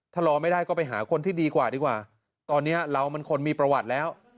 ถ้ารอไม่ได้ก็ไปหาคนที่ดีกว่าดีกว่าตอนนี้เรามันคนมีประวัติแล้ว